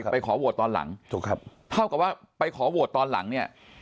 ขอโหวตตอนหลังถูกครับเท่ากับว่าไปขอโหวตตอนหลังเนี่ย